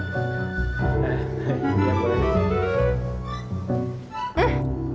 iya boleh nih